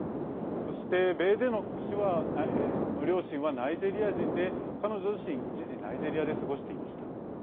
そしてベーデノック氏の両親はナイジェリア人で彼女自身、一時ナイジェリアで過ごしていました。